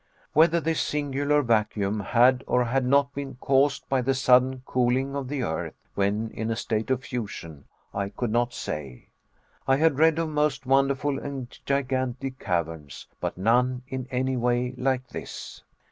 Whether this singular vacuum had or had not been caused by the sudden cooling of the earth when in a state of fusion, I could not say. I had read of most wonderful and gigantic caverns but, none in any way like this.